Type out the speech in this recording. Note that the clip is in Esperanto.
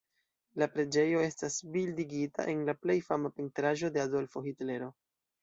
La preĝejo estas bildigita en la plej fama pentraĵo de Adolfo Hitlero.